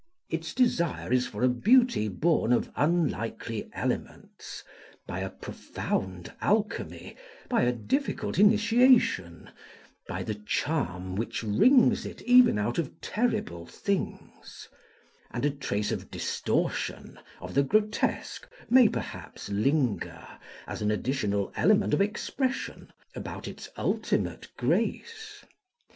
Its desire is for a beauty born of unlikely elements, by a profound alchemy, by a difficult initiation, by the charm which wrings it even out of terrible things; and a trace of distortion, of the grotesque, may perhaps linger, as an additional element of expression, about its ultimate grace.